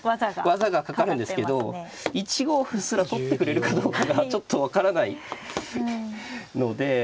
技がかかるんですけど１五歩すら取ってくれるかどうかがちょっと分からないので。